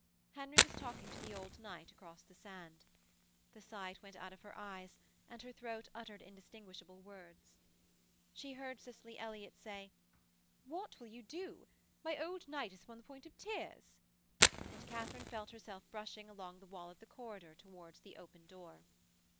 Henry was talking to the old knight across the sand. The sight went out of her eyes and her throat uttered indistinguishable words. She heard Cicely Elliott say: 'What will you do? My old knight is upon the point of tears,' and Katharine felt herself brushing along the wall of the corridor towards the open door.